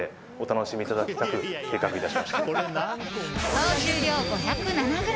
総重量５０７ｇ